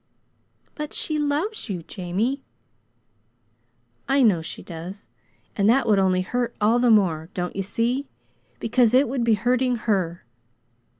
"But she loves you, Jamie." "I know she does and that would only hurt all the more don't you see? because it would be hurting her.